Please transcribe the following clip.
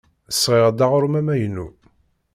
Sɣiɣ-d aɣrum amaynu.